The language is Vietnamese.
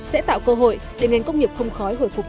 sẽ tạo cơ hội để ngành công nghiệp không khói hồi phục nhanh hơn